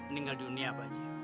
tinggal dunia pak haji